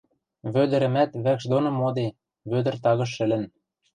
Вӧдӹрӹмӓт вӓкш доны моде, Вӧдӹр тагыш шӹлӹн.